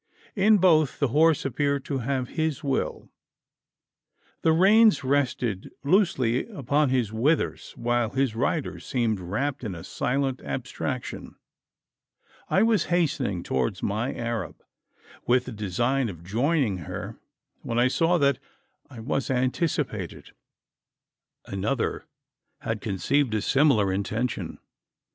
In both, the horse appeared to have his will: the reins rested loosely upon his withers; while his rider seemed wrapped in a silent abstraction. I was hastening towards my Arab, with the design of joining her, when I saw that I was anticipated. Another had conceived a similar intention.